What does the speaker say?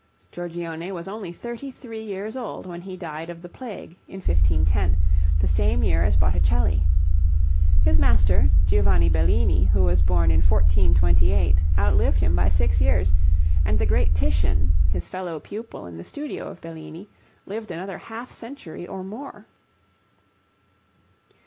Giorgione was only thirty three years old when he died of the plague in 1510, the same year as Botticelli. His master, Giovanni Bellini, who was born in 1428, outlived him by six years, and the great Titian, his fellow pupil in the studio of Bellini, lived another half century or more.